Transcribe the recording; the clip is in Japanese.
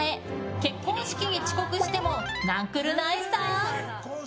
結婚式に遅刻してもなんくるないさ。